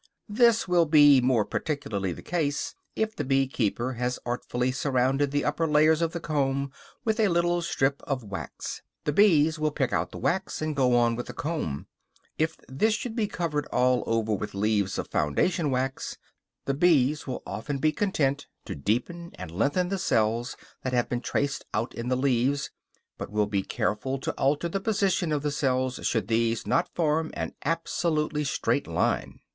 This will be more particularly the case if the bee keeper has artfully surrounded the upper layers of the comb with a little strip of wax; the bees will pick out the wax, and go on with the comb. If this should be covered all over with leaves of foundation wax, the bees will often be content to deepen and lengthen the cells that have been traced out in the leaves, but will be careful to alter the position of the cells should these not form an absolutely straight line.